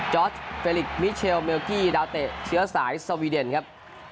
อสเฟลิกมิเชลเมลกี้ดาวเตะเชื้อสายสวีเดนครับ